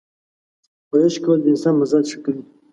ورزش کول د انسان مزاج ښه کوي.